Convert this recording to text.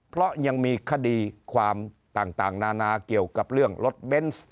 เพราะยังมีคดีความต่างนานาเกี่ยวกับเรื่องรถเบนส์